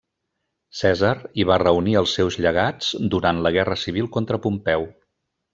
Cèsar hi va reunir els seus llegats durant la guerra civil contra Pompeu.